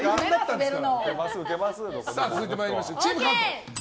続いて参りましょう。